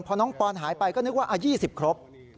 พอน้องปอนหายไปก็นึกว่า๒๐ครบ